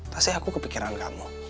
pasti aku kepikiran kamu